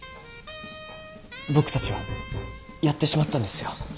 僕たちはやってしまったんですよ。